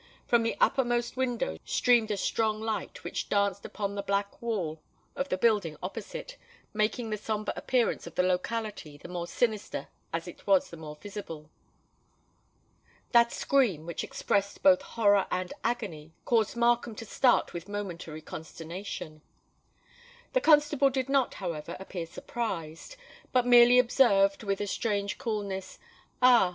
From the uppermost window streamed a strong light, which danced upon the black wall of the building opposite, making the sombre appearance of the locality the more sinister as it was the more visible. That scream, which expressed both horror and agony, caused Markham to start with momentary consternation. The constable did not, however, appear surprised; but merely observed with a strange coolness, "Ah!